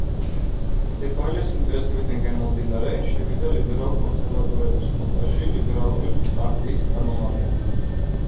დებაილეს ინტერესებიდან გამომდინარე შევიდა ლიბერალ-კონსერვატორების ხუნტაში ლიბერალური პარტიის წარმომადგენლად.